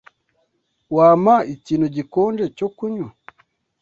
Wampa ikintu gikonje cyo kunywa?